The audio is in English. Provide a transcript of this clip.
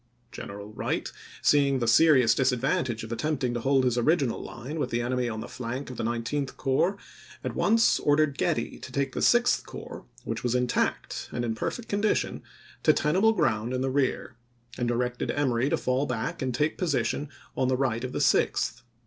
General Wright, seeing the serious disadvantage of attempting to hold his original line with the enemy on the flank of the Nineteenth Corps, at once ordered Getty to take the Sixth Corps, which was intact and in perfect condition, to tenable ground in the rear, and directed Emory to fall back and take position on the right of the Sixth.